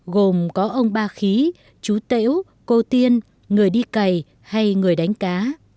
gồm có ông ba khí chú tễu cô tiên người đi cày hay người đánh cá